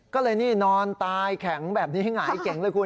ก็เลยนี่นอนตายแข็งแบบนี้ให้หงายเก่งเลยคุณ